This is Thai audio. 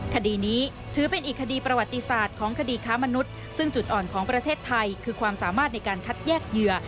คดีนี้ถือเป็นอีกคดีประวัติศาสตร์ของคดีค้ามนุษย์ซึ่งจุดอ่อนของประเทศไทยคือความสามารถในการคัดแยกเหยื่อ